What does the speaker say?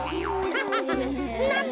アハハハハ。